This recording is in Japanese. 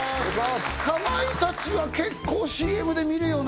かまいたちは結構ＣＭで見るよね